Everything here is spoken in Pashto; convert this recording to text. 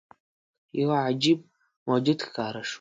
یوه عجيب موجود راښکاره شو.